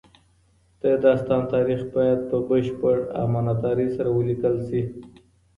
د داستان تاریخ باید په بشپړ امانتدارۍ سره ولیکل سي.